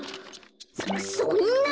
そんな！